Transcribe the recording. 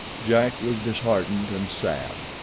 Jack was disheartened and sad.